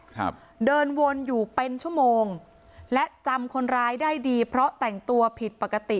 ครับเดินวนอยู่เป็นชั่วโมงและจำคนร้ายได้ดีเพราะแต่งตัวผิดปกติ